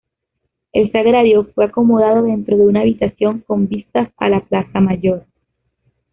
El Sagrario fue acomodado dentro de una habitación con vistas a La Plaza Mayor.